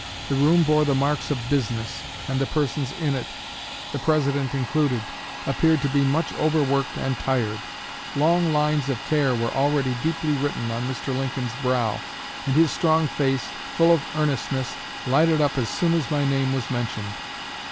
The room bore the marks of business, and the persons in it, the President included, appeared to be much overworked and tired. Long lines of care were already deeply written on Mr. Lincoln's brow, and his strong face, full of earnestness, lighted up as soon as my name was mentioned.